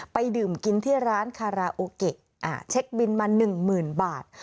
ไปดื่มกินที่ร้านคาราโอเกะอ่าเช็คบินมาหนึ่งหมื่นบาท